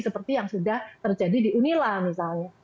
seperti yang sudah terjadi di unila misalnya